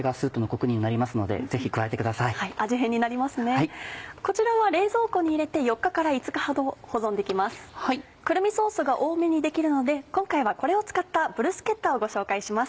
くるみソースが多めに出来るので今回はこれを使ったブルスケッタをご紹介します。